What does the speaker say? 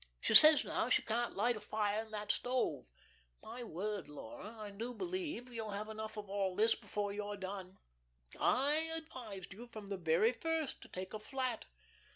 She says now she can't light a fire in that stove. My word, Laura, I do believe you'll have enough of all this before you're done. You know I advised you from the very first to take a flat."